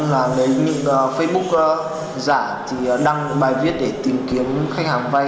làm đến những facebook giả thì đăng bài viết để tìm kiếm khách hàng vay